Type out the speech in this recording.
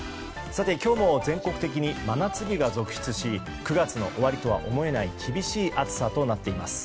今日も全国的に真夏日が続出し９月の終わりとは思えない厳しい暑さとなっています。